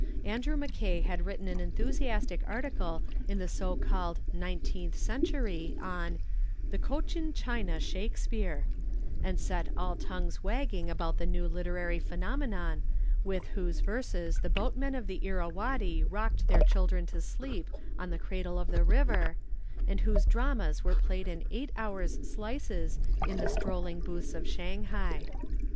Andrew Mackay had written an enthusiastic article in the so called Nineteenth Century on "The Cochin China Shakespeare," and set all tongues wagging about the new literary phenomenon with whose verses the boatmen of the Irrawady rocked their children to sleep on the cradle of the river, and whose dramas were played in eight hours slices in the strolling booths of Shanghai.